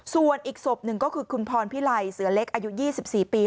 ส่วนอีกศพหนึ่งก็คือคุณพรพิไลเสือเล็กอายุ๒๔ปี